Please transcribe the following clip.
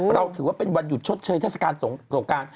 เราถือว่าเป็นวันหยุดชดเชยเทศกาลสงการ